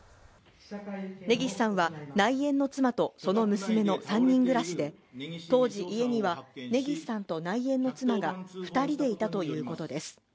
根岸さんは内縁の妻とその娘の３人暮らしで当時家には根岸さんと内縁の妻が二人でいたということです